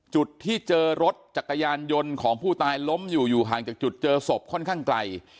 จุดที่เจอรถจักรยานยนต์ของผู้ตายล้มอยู่อยู่ห่างจากจุดเจอศพค่อนข้างไกล